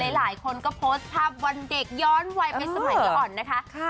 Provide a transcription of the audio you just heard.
หลายคนก็โพสต์ภาพวันเด็กย้อนวัยไปสมัยละอ่อนนะคะ